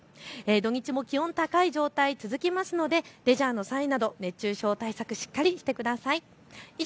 土日も気温高い状態続きますのでレジャーの際など熱中症対策、しっかりしてください。